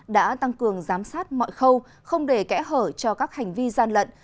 đã tăng cường giám sát mọi khâu không để kẽ hở cho các hành vi gian lận